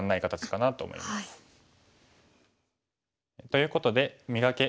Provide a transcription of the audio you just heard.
ということで「磨け！